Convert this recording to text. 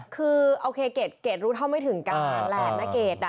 คือโอเคเกรดรู้เท่าไม่ถึงการแหละแม่เกด